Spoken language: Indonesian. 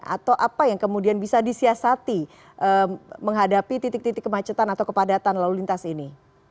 atau apa yang kemudian bisa disiasati menghadapi titik titik kemacetan atau kepadatan lalu lintas ini